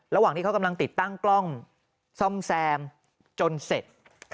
ระหว่างที่เขากำลังติดตั้งกล้องซ่อมแซมจนเสร็จ